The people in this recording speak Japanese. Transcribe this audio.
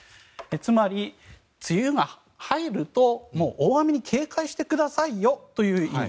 つまり、梅雨に入るともう大雨に警戒してくださいよという意味。